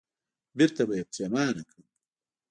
بېرته به یې پښېمان کړم